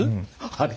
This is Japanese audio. あれ？